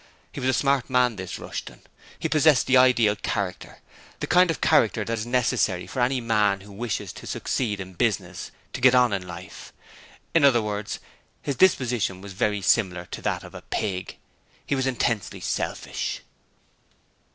He was a smart man, this Rushton, he possessed the ideal character: the kind of character that is necessary for any man who wishes to succeed in business to get on in life. In other words, his disposition was very similar to that of a pig he was intensely selfish.